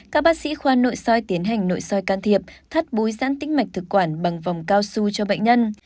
các bác sĩ khoa nội soi tiến hành nội soi can thiệp thắt búi giãn tính mạch thực quản bằng vòng cao su cho bệnh nhân